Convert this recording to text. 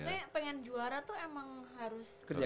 maksudnya pengen juara tuh emang harus